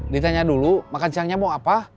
ditanya dulu makan siangnya mau apa